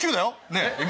ねえ今。